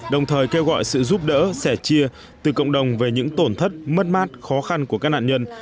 đồng thời kêu gọi sự giúp đỡ sẻ chia từ cộng đồng về những tổn thất mất mát khó khăn của các nạn nhân